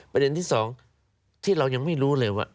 ประเด็นที่๒ที่เรายังไม่รู้เลยว่า